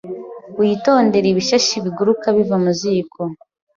Witondere ibishashi biguruka biva mu ziko!